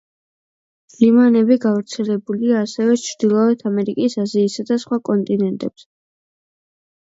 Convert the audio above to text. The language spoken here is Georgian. ლიმანები გავრცელებულია ასევე ჩრდილოეთ ამერიკის, აზიისა და სხვა კონტინენტებზე.